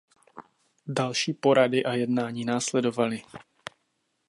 Další porady a jednání následovaly.